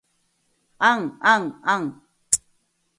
あんあんあ ｎ